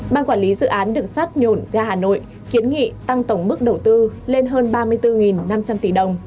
ban quản lý dự án đường sắt nhồn ga hà nội kiến nghị tăng tổng mức đầu tư lên hơn ba mươi bốn năm trăm linh tỷ đồng